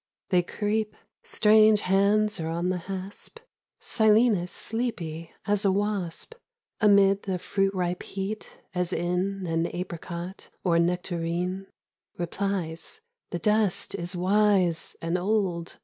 They creep ... strange hands are on the hasp Silenus sleepy as a wasp 99 The Five Musicians. Amid the fruit ripe heat as in An apricot or nectarine, RepHes, " The dust is wise and old.